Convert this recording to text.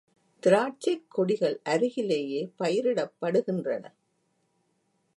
திராட்டசைக்கொடிகள் அருகிலேயே பயிரிடப்படுகின்றன.